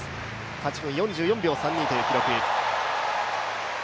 ８分４４秒３２という記録。